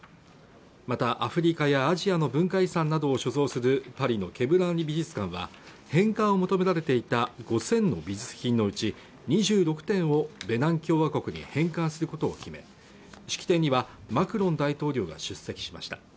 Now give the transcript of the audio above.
またアフリカやアジアの文化遺産などを所蔵するパリのケ・ブランリ美術館は返還を求められていた５０００の美術品のうち２６点をベナン共和国に返還することを決め式典にはマクロン大統領が出席しました